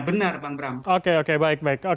benar bang bram oke oke baik baik